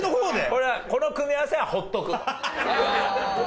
これはこの組み合わせは放っとくと。